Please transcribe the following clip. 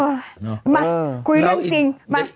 มาคุยเรื่องจริงมา